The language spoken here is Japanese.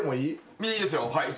見ていいですよ。